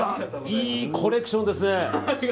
いいコレクションですね。